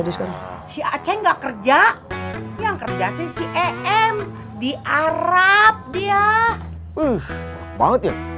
di sekarang si aceh enggak kerja yang kerja si em di arab dia uh banget ya